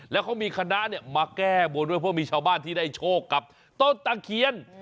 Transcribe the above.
แล้วเขามีคณะมาแก้บนด้วยเพราะมีชาวบ้านที่ได้โชคกับต้นตะเคียน